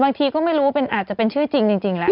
บางทีก็ไม่รู้อาจจะเป็นชื่อจริงจริงแล้ว